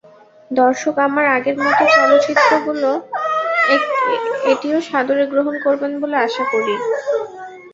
দর্শক আমার আগের চলচ্চিত্রগুলোর মতো এটিও সাদরে গ্রহণ করবেন বলে আশা করি।